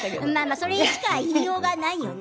それしか言いようがないよね。